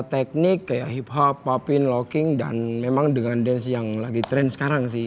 teknik kayak hiphop popping locking dan memang dengan dance yang lagi trend sekarang sih